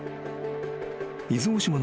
［伊豆大島の島民